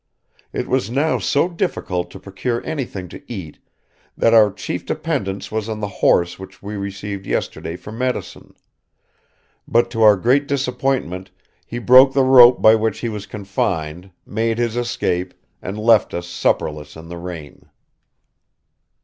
It was now so difficult to procure anything to eat that our chief dependence was on the horse which we received yesterday for medicine; but to our great disappointment he broke the rope by which he was confined, made his escape, and left us supperless in the rain."